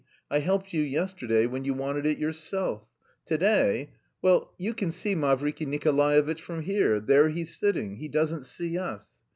I helped you yesterday when you wanted it yourself. To day ... well, you can see Mavriky Nikolaevitch from here; there he's sitting; he doesn't see us.